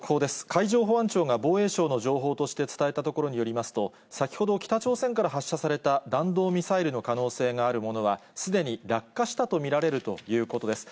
海上保安庁が防衛省の情報として伝えたところによりますと、先ほど、北朝鮮から発射された弾道ミサイルの可能性があるものは、すでに落下したと見られるということです。